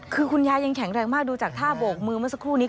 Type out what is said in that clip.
คือคุณยายยังแข็งแรงมากดูจากท่าโบกมือเมื่อสักครู่นี้